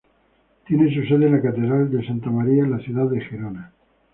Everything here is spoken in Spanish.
Tiene su sede en la Catedral de Santa María, en la ciudad de Gerona.